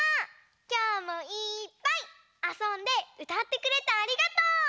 きょうもいっぱいあそんでうたってくれてありがとう！